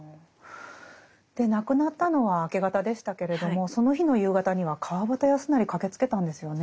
亡くなったのは明け方でしたけれどもその日の夕方には川端康成駆けつけたんですよね。